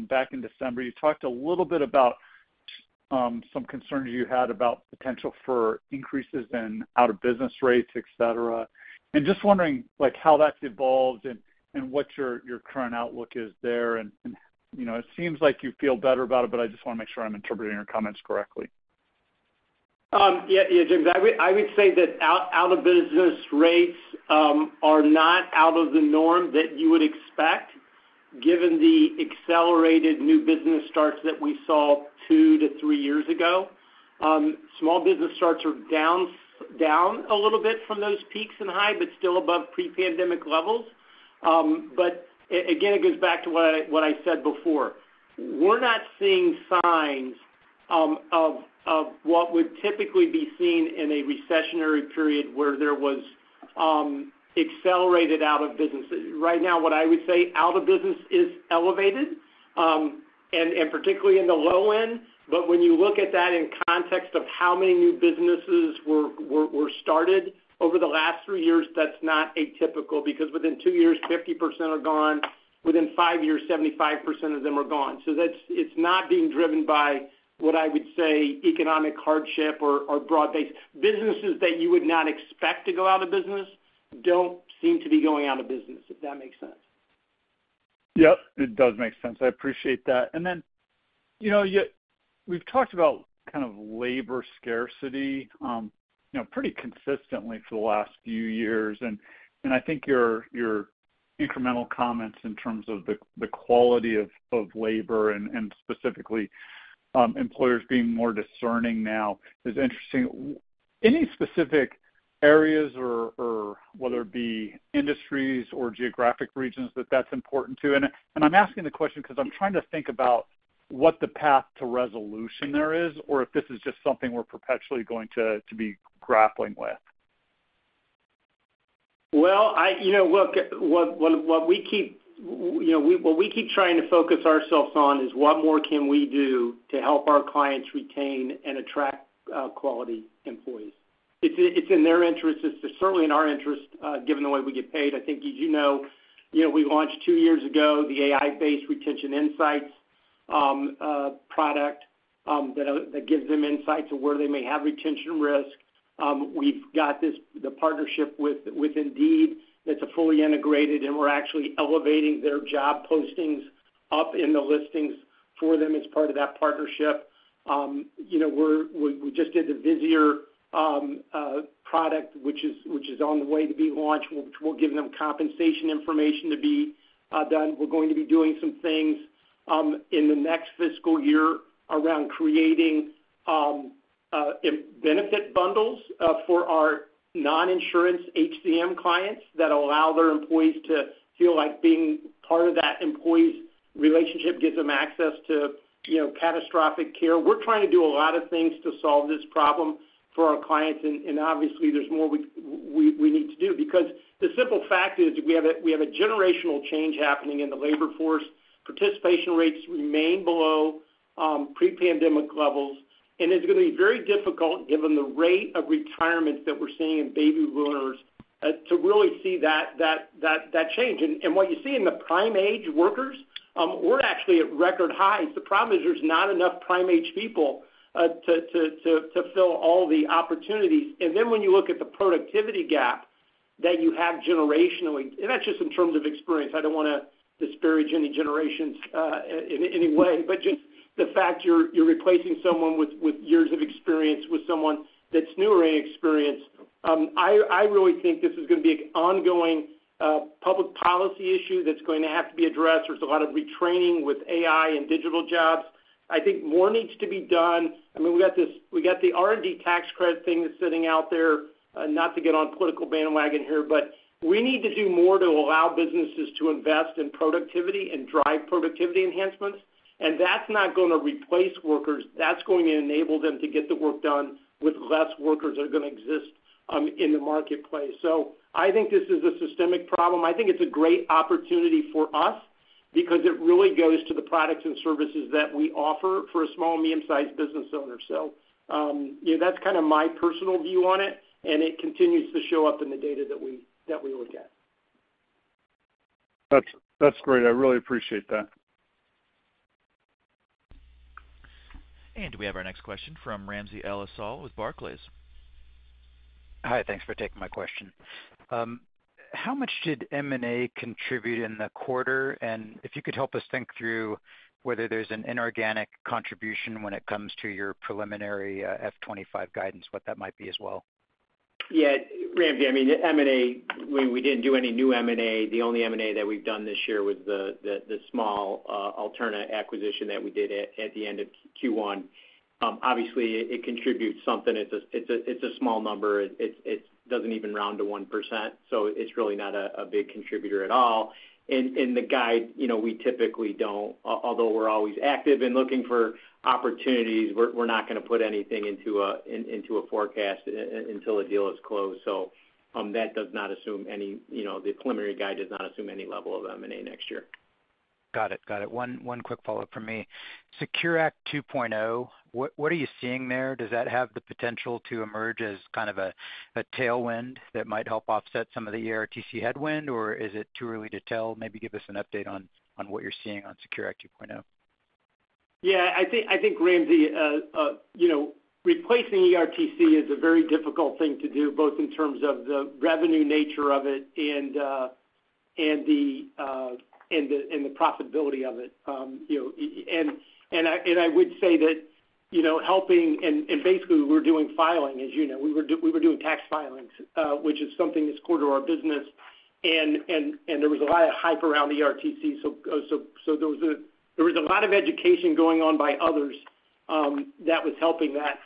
back in December, you talked a little bit about some concerns you had about potential for increases in out-of-business rates, etc. And just wondering how that's evolved and what your current outlook is there. And it seems like you feel better about it, but I just want to make sure I'm interpreting your comments correctly. Yeah, James. I would say that out-of-business rates are not out of the norm that you would expect given the accelerated new business starts that we saw 2-3 years ago. Small business starts are down a little bit from those peaks and high, but still above pre-pandemic levels. But again, it goes back to what I said before. We're not seeing signs of what would typically be seen in a recessionary period where there was accelerated out-of-business. Right now, what I would say out-of-business is elevated, and particularly in the low end. But when you look at that in context of how many new businesses were started over the last 3 years, that's not atypical because within 2 years, 50% are gone. Within 5 years, 75% of them are gone. It's not being driven by what I would say economic hardship or broad-based businesses that you would not expect to go out of business don't seem to be going out of business, if that makes sense. Yep. It does make sense. I appreciate that. And then we've talked about kind of labor scarcity pretty consistently for the last few years. And I think your incremental comments in terms of the quality of labor and specifically employers being more discerning now is interesting. Any specific areas or whether it be industries or geographic regions that that's important to? And I'm asking the question because I'm trying to think about what the path to resolution there is or if this is just something we're perpetually going to be grappling with. Well, look, what we keep trying to focus ourselves on is what more can we do to help our clients retain and attract quality employees? It's in their interests. It's certainly in our interests given the way we get paid. I think as you know, we launched two years ago the AI-based Retention Insights product that gives them insights to where they may have retention risk. We've got the partnership with Indeed that's fully integrated, and we're actually elevating their job postings up in the listings for them as part of that partnership. We just did the Visier product, which is on the way to be launched. We'll give them compensation information to be done. We're going to be doing some things in the next fiscal year around creating benefit bundles for our non-insurance HCM clients that allow their employees to feel like being part of that employee's relationship gives them access to catastrophic care. We're trying to do a lot of things to solve this problem for our clients. And obviously, there's more we need to do because the simple fact is we have a generational change happening in the labor force. Participation rates remain below pre-pandemic levels. And it's going to be very difficult given the rate of retirements that we're seeing in baby boomers to really see that change. And what you see in the prime-age workers, we're actually at record highs. The problem is there's not enough prime-age people to fill all the opportunities. And then when you look at the productivity gap that you have generationally and that's just in terms of experience. I don't want to disparage any generations in any way, but just the fact you're replacing someone with years of experience with someone that's newer in experience, I really think this is going to be an ongoing public policy issue that's going to have to be addressed. There's a lot of retraining with AI and digital jobs. I think more needs to be done. I mean, we got the R&D tax credit thing that's sitting out there. Not to get on political bandwagon here, but we need to do more to allow businesses to invest in productivity and drive productivity enhancements. And that's not going to replace workers. That's going to enable them to get the work done with less workers that are going to exist in the marketplace. I think this is a systemic problem. I think it's a great opportunity for us because it really goes to the products and services that we offer for a small and medium-sized business owner. That's kind of my personal view on it, and it continues to show up in the data that we look at. That's great. I really appreciate that. We have our next question from Ramsey El-Assal with Barclays. Hi. Thanks for taking my question. How much did M&A contribute in the quarter? And if you could help us think through whether there's an inorganic contribution when it comes to your preliminary FY-25 guidance, what that might be as well? Yeah. Ramsey, I mean, M&A, we didn't do any new M&A. The only M&A that we've done this year was the small Alterity acquisition that we did at the end of Q1. Obviously, it contributes something. It's a small number. It doesn't even round to 1%, so it's really not a big contributor at all. In the guide, we typically don't, although we're always active and looking for opportunities, we're not going to put anything into a forecast until a deal is closed. So that does not assume any. The preliminary guide does not assume any level of M&A next year. Got it. Got it. One quick follow-up from me. Secure Act 2.0, what are you seeing there? Does that have the potential to emerge as kind of a tailwind that might help offset some of the ERTC headwind, or is it too early to tell? Maybe give us an update on what you're seeing on Secure Act 2.0. Yeah. I think, Ramsey, replacing ERTC is a very difficult thing to do both in terms of the revenue nature of it and the profitability of it. And I would say that helping and basically, we're doing filing. As you know, we were doing tax filings, which is something that's core to our business. And there was a lot of hype around ERTC, so there was a lot of education going on by others that was helping that.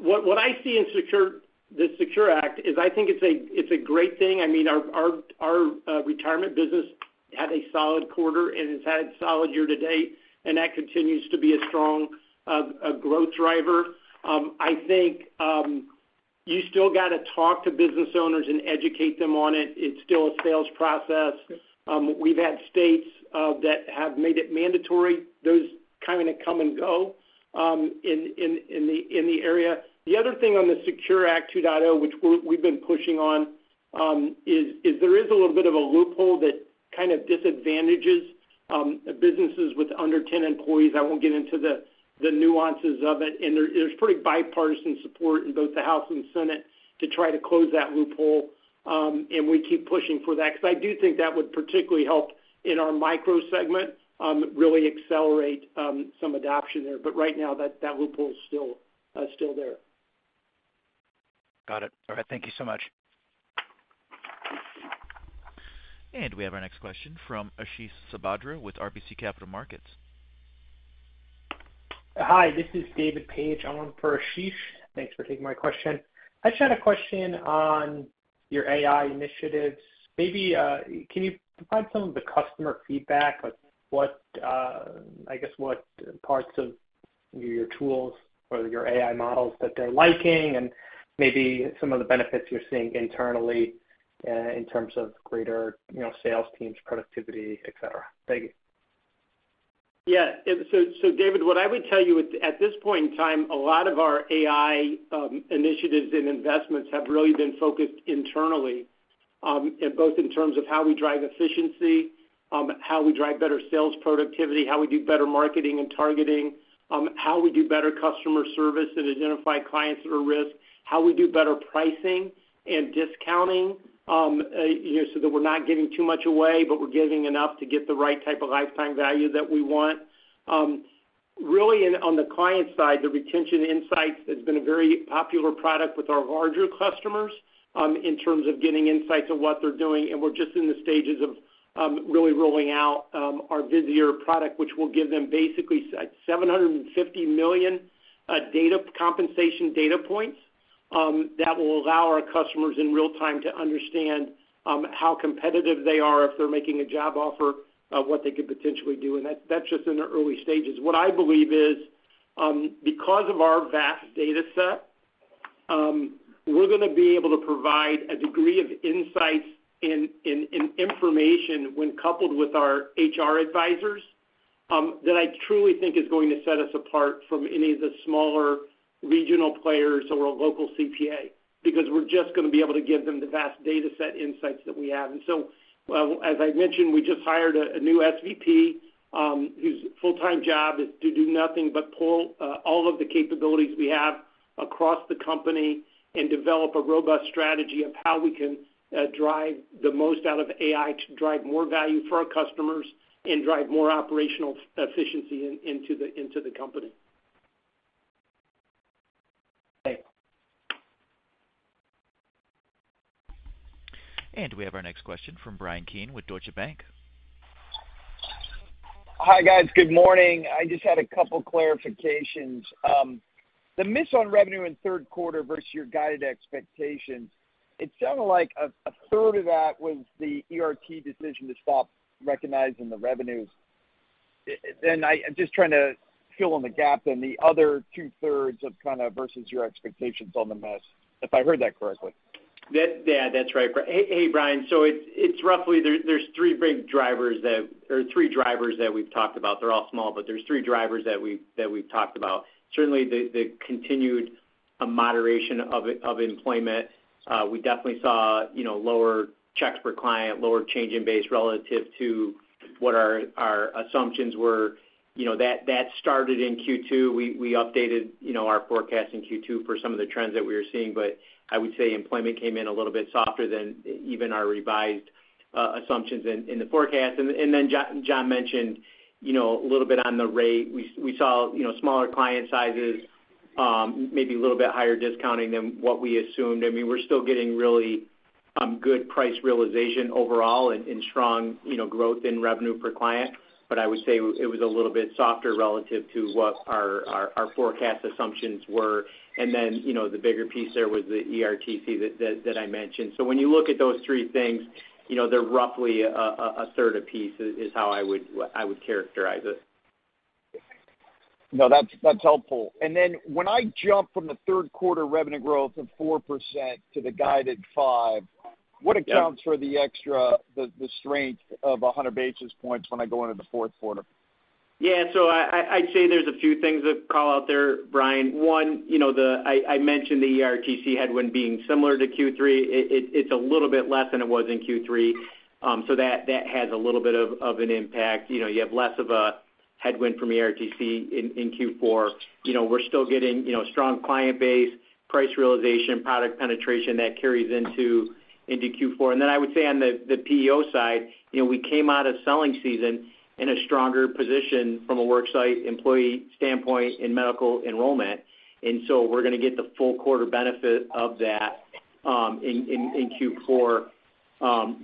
What I see in the Secure Act is I think it's a great thing. I mean, our retirement business had a solid quarter, and it's had a solid year to date, and that continues to be a strong growth driver. I think you still got to talk to business owners and educate them on it. It's still a sales process. We've had states that have made it mandatory. Those kind of come and go in the area. The other thing on the Secure Act 2.0, which we've been pushing on, is there is a little bit of a loophole that kind of disadvantages businesses with under 10 employees. I won't get into the nuances of it. There's pretty bipartisan support in both the House and Senate to try to close that loophole. We keep pushing for that because I do think that would particularly help in our micro-segment really accelerate some adoption there. But right now, that loophole is still there. Got it. All right. Thank you so much. And we have our next question from Ashish Sabadra with RBC Capital Markets. Hi. This is David Paige on for Ashish. Thanks for taking my question. I just had a question on your AI initiatives. Can you provide some of the customer feedback, I guess, what parts of your tools or your AI models that they're liking and maybe some of the benefits you're seeing internally in terms of greater sales teams, productivity, etc.? Thank you. Yeah. So, David, what I would tell you at this point in time, a lot of our AI initiatives and investments have really been focused internally, both in terms of how we drive efficiency, how we drive better sales productivity, how we do better marketing and targeting, how we do better customer service and identify clients that are at risk, how we do better pricing and discounting so that we're not giving too much away, but we're giving enough to get the right type of lifetime value that we want. Really, on the client side, the Retention Insights, it's been a very popular product with our larger customers in terms of getting insights of what they're doing. We're just in the stages of really rolling out our Visier product, which will give them basically 750 million compensation data points that will allow our customers in real time to understand how competitive they are if they're making a job offer, what they could potentially do. That's just in the early stages. What I believe is because of our vast dataset, we're going to be able to provide a degree of insights and information when coupled with our HR advisors that I truly think is going to set us apart from any of the smaller regional players or a local CPA because we're just going to be able to give them the vast dataset insights that we have. As I mentioned, we just hired a new SVP whose full-time job is to do nothing but pull all of the capabilities we have across the company and develop a robust strategy of how we can drive the most out of AI to drive more value for our customers and drive more operational efficiency into the company. Thanks. We have our next question from Bryan Keane with Deutsche Bank. Hi, guys. Good morning. I just had a couple of clarifications. The miss on revenue in third quarter versus your guided expectations, it sounded like a third of that was the ERT decision to stop recognizing the revenues. And I'm just trying to fill in the gap then, the other two-thirds of kind of versus your expectations on the miss, if I heard that correctly? Yeah. That's right. Hey, Bryan. So there's three big drivers that or three drivers that we've talked about. They're all small, but there's three drivers that we've talked about. Certainly, the continued moderation of employment. We definitely saw lower checks per client, lower change in base relative to what our assumptions were. That started in Q2. We updated our forecast in Q2 for some of the trends that we were seeing. But I would say employment came in a little bit softer than even our revised assumptions in the forecast. And then John mentioned a little bit on the rate. We saw smaller client sizes, maybe a little bit higher discounting than what we assumed. I mean, we're still getting really good price realization overall and strong growth in revenue per client. But I would say it was a little bit softer relative to what our forecast assumptions were. Then the bigger piece there was the ERTC that I mentioned. So when you look at those three things, they're roughly a third apiece is how I would characterize it. No, that's helpful. And then when I jump from the third-quarter revenue growth of 4% to the guided 5, what accounts for the extra strength of 100 basis points when I go into the fourth quarter? Yeah. So I'd say there's a few things to call out there, Brian. One, I mentioned the ERTC headwind being similar to Q3. It's a little bit less than it was in Q3, so that has a little bit of an impact. You have less of a headwind from ERTC in Q4. We're still getting a strong client base, price realization, product penetration that carries into Q4. And then I would say on the PEO side, we came out of selling season in a stronger position from a worksite employee standpoint, and medical enrollment. And so we're going to get the full quarter benefit of that in Q4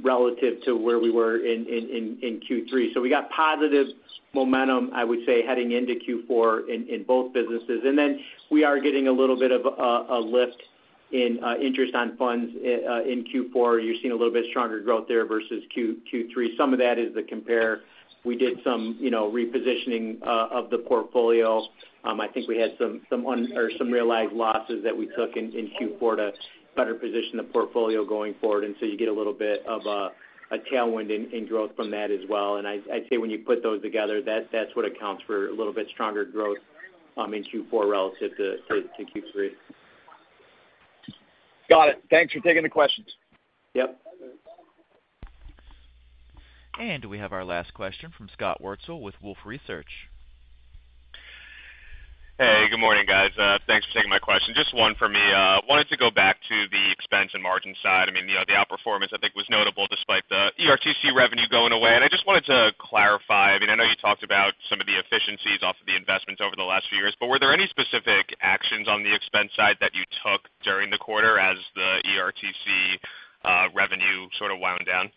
relative to where we were in Q3. So we got positive momentum, I would say, heading into Q4 in both businesses. And then we are getting a little bit of a lift in interest on funds in Q4. You're seeing a little bit stronger growth there versus Q3. Some of that is the compare. We did some repositioning of the portfolio. I think we had some realized losses that we took in Q4 to better position the portfolio going forward. And so you get a little bit of a tailwind in growth from that as well. And I'd say when you put those together, that's what accounts for a little bit stronger growth in Q4 relative to Q3. Got it. Thanks for taking the questions. Yep. We have our last question from Scott Wurtzel with Wolfe Research. Hey. Good morning, guys. Thanks for taking my question. Just one for me. I wanted to go back to the expense and margin side. I mean, the outperformance, I think, was notable despite the ERTC revenue going away. I just wanted to clarify. I mean, I know you talked about some of the efficiencies off of the investments over the last few years, but were there any specific actions on the expense side that you took during the quarter as the ERTC revenue sort of wound down?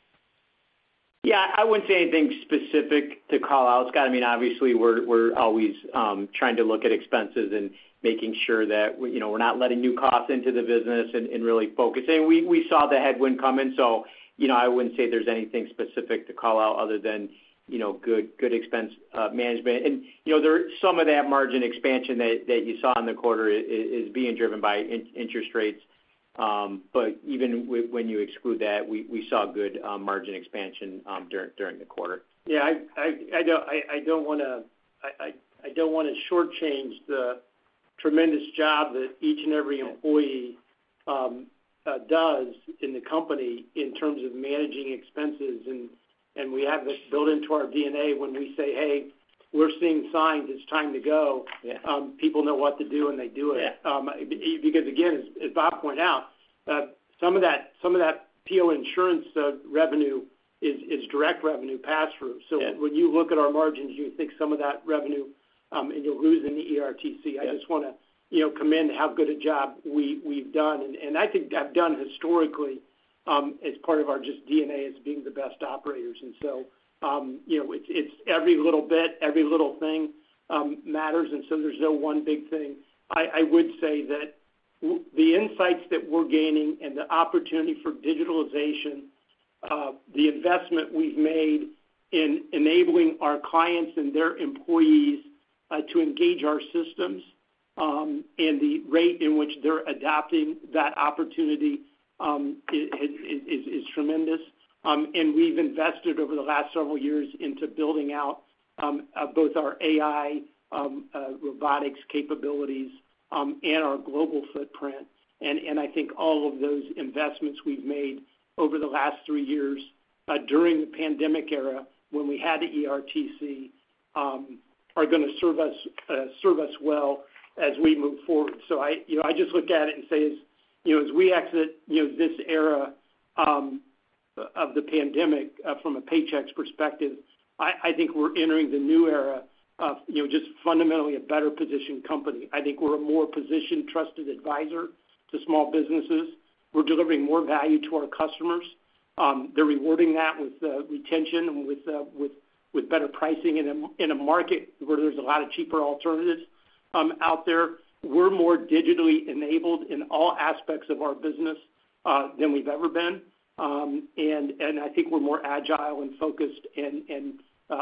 Yeah. I wouldn't say anything specific to call out, Scott. I mean, obviously, we're always trying to look at expenses and making sure that we're not letting new costs into the business and really focusing. We saw the headwind coming, so I wouldn't say there's anything specific to call out other than good expense management. And some of that margin expansion that you saw in the quarter is being driven by interest rates. But even when you exclude that, we saw good margin expansion during the quarter. Yeah. I don't want to shortchange the tremendous job that each and every employee does in the company in terms of managing expenses. We have this built into our DNA when we say, "Hey, we're seeing signs it's time to go." People know what to do, and they do it. Because, again, as Bob pointed out, some of that PEO insurance revenue is direct revenue pass-through. So when you look at our margins, you think some of that revenue, and you're losing the ERTC. I just want to commend how good a job we've done. I think we've done historically as part of our just DNA as being the best operators. It's every little bit, every little thing matters. There's no one big thing. I would say that the insights that we're gaining and the opportunity for digitalization, the investment we've made in enabling our clients and their employees to engage our systems, and the rate in which they're adopting that opportunity is tremendous. We've invested over the last several years into building out both our AI robotics capabilities and our global footprint. I think all of those investments we've made over the last three years during the pandemic era when we had the ERTC are going to serve us well as we move forward. I just look at it and say, as we exit this era of the pandemic from a Paychex perspective, I think we're entering the new era of just fundamentally a better-positioned company. I think we're a more positioned, trusted advisor to small businesses. We're delivering more value to our customers. They're rewarding that with retention and with better pricing in a market where there's a lot of cheaper alternatives out there. We're more digitally enabled in all aspects of our business than we've ever been. And I think we're more agile and focused and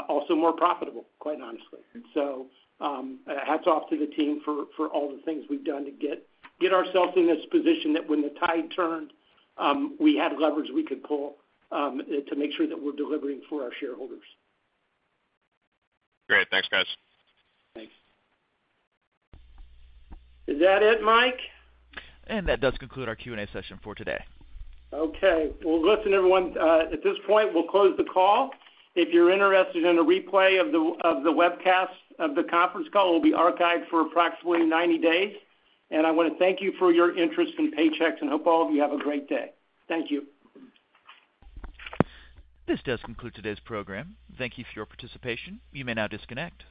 also more profitable, quite honestly. So hats off to the team for all the things we've done to get ourselves in this position that when the tide turned, we had leverage we could pull to make sure that we're delivering for our shareholders. Great. Thanks, guys. Thanks. Is that it, Mike? That does conclude our Q&A session for today. Okay. Well, listen, everyone, at this point, we'll close the call. If you're interested in a replay of the webcast of the conference call, it will be archived for approximately 90 days. I want to thank you for your interest in Paychex and hope all of you have a great day. Thank you. This does conclude today's program. Thank you for your participation. You may now disconnect.